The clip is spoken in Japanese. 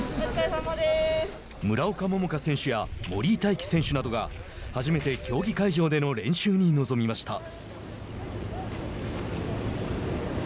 村岡桃佳選手や森井大輝選手などが初めて競技会場での練習に臨みました。